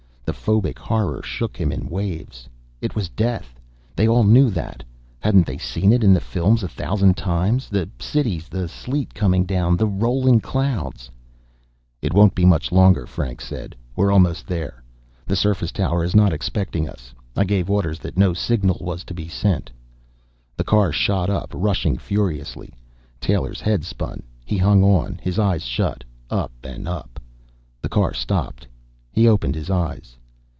The phobic horror shook him in waves. It was death; they all knew that. Hadn't they seen it in the films a thousand times? The cities, the sleet coming down, the rolling clouds "It won't be much longer," Franks said. "We're almost there. The surface tower is not expecting us. I gave orders that no signal was to be sent." The car shot up, rushing furiously. Taylor's head spun; he hung on, his eyes shut. Up and up.... The car stopped. He opened his eyes.